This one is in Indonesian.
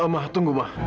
ma tunggu ma